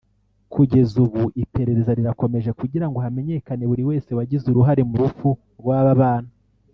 Kugeza ubu iperereza rirakomeje kugirango hamenyekane buri wese wagize uruhare mu rupfu rw’aba bana